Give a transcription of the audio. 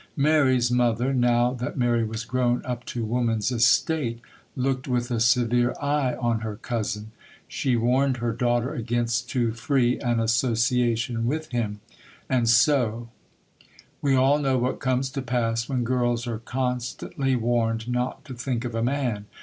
Mary's mother, now that Mary was grown up to woman's estate, looked with a severe eye on her cousin. She warned her daughter against too free an association with him,—and so—— We all know what comes to pass when girls are constantly warned not to think of a man.